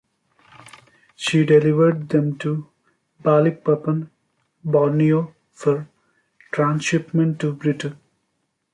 She delivered them to Balikpapan, Borneo for transhipment to Britain.